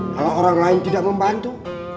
kalau orang lain tidak membantu